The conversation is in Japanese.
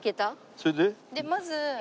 それで？でまず。